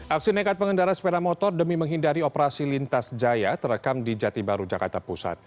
aksi nekat pengendara sepeda motor demi menghindari operasi lintas jaya terekam di jati baru jakarta pusat